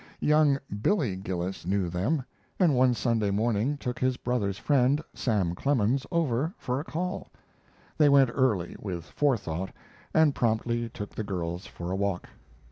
Young "Billy" Gillis knew them, and one Sunday morning took his brother's friend, Sam Clemens, over for a call. They went early, with forethought, and promptly took the girls for a walk.